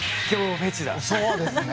そうですね。